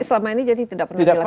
selama ini jadi tidak pernah dilakukan